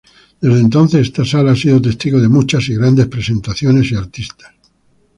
Desde entonces, esta sala ha sido testigo de muchas y grandes presentaciones y artistas.